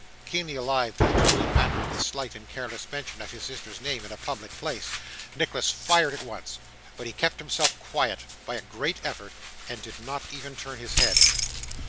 Keenly alive to the tone and manner of this slight and careless mention of his sister's name in a public place, Nicholas fired at once; but he kept himself quiet by a great effort, and did not even turn his head.